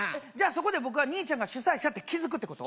そこで僕は兄ちゃんが主催者って気づくってこと？